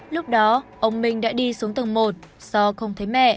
lúc đó ông minh đã đi xuống tầng một do không thấy mẹ